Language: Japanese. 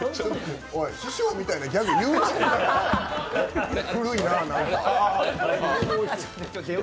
おい、師匠みたいなギャグ言うなよ。